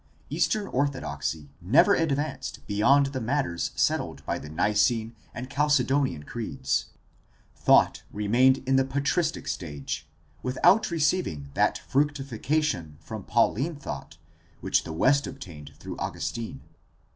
Eastern orthodoxy never advanced beyond the matters settled by the Nicene and Chalcedonian creeds. Thought remained in the patristic stage without receiving that fructification from Pauline thought which the West obtained through Augustine.